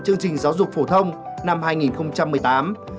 và thực hiện chương trình giáo dục phổ thông năm hai nghìn một mươi tám